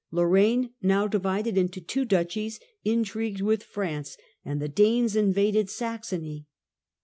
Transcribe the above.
Lorraine, now divided into two duchies, in trigued with France, and the Danes invaded Saxony.